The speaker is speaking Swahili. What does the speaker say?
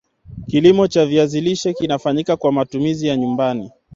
kilimo cha viazi lishe kinafanyika kwa matumizi ya nyumbani